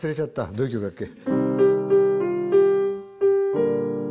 どういう曲だっけ？